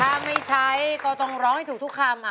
ถ้าไม่ใช้ก็ต้องร้องให้ถูกทุกคำ